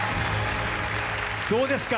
どうですか？